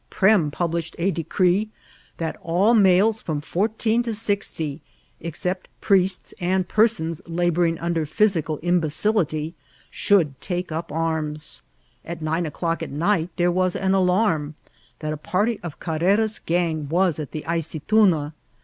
Prem published a de* cree that all males firom fourteen \o atxty, excqpt prieeta and pexaona labouring under physical imbedli^, should take %xp arms. At nine o'dodL at ni^^t there was an alarm that a party of Carrera's gang was at the Ayce* tuna.